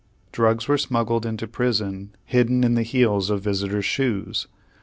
Drugs were smuggled into prison hidden in the heels of visitors' shoes.